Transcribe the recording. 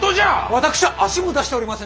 私は足も出しておりませぬ。